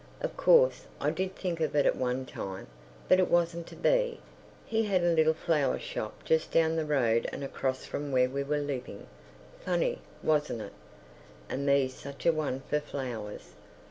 Of course, I did think of it at one time. But it wasn't to be. He had a little flower shop just down the road and across from where we was living. Funny—wasn't it? And me such a one for flowers.